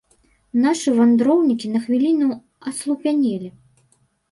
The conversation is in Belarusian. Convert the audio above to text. Нашы вандроўнікі на хвіліну аслупянелі.